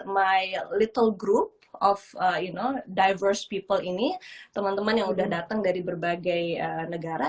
my little group of diverse people ini teman teman yang udah datang dari berbagai negara